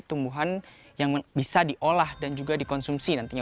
tumbuhan yang bisa diolah dan juga dikonsumsi nantinya